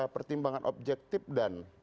pertimbangan objektif dan